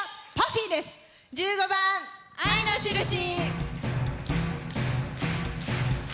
１５番「愛のしるし」。